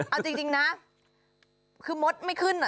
เอาจริงนะคือมดไม่ขึ้น